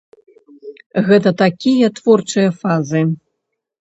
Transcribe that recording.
Гэта такія творчыя фазы.